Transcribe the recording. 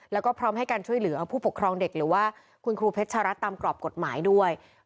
แล้วก็พร้อมให้การช่วยเหลือผู้ปกครองเด็กหรือว่าคุณครูเพชรรัฐตามกรอบกฎหมายด้วย